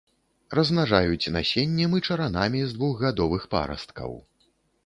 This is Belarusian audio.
Размнажаюць насеннем і чаранамі з двухгадовых парасткаў.